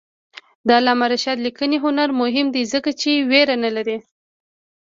د علامه رشاد لیکنی هنر مهم دی ځکه چې ویره نه لري.